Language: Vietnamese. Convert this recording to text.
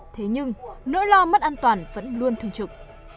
thế nhưng nỗi lo mất an toàn vẫn luôn thường trực